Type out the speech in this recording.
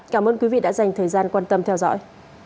cảm ơn quý vị đã dành thời gian quan tâm theo dõi